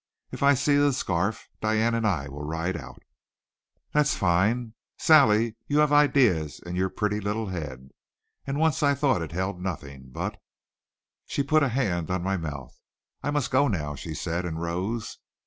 If I see the scarf, Diane and I will ride out." "That's fine. Sally, you have ideas in your pretty little head. And once I thought it held nothing but " She put a hand on my mouth. "I must go now," she said and rose.